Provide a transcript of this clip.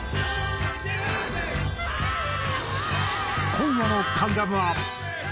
今夜の『関ジャム』は。